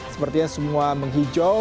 sepertinya semua menghijau